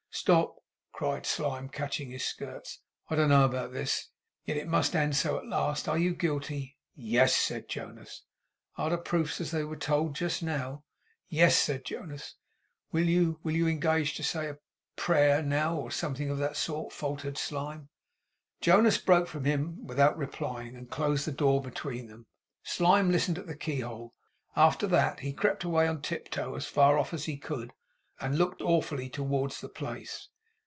'Stop!' cried Slyme, catching at his skirts. 'I don't know about this. Yet it must end so at last. Are you guilty?' 'Yes!' said Jonas. 'Are the proofs as they were told just now?' 'Yes!' said Jonas. 'Will you will you engage to say a a Prayer, now, or something of that sort?' faltered Slyme. Jonas broke from him without replying, and closed the door between them. Slyme listened at the keyhole. After that, he crept away on tiptoe, as far off as he could; and looked awfully towards the place.